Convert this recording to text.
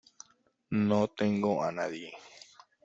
no tengo a nadie.